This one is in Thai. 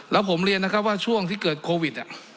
แล้วผมเรียนนะครับว่าช่วงที่เกิดโควิด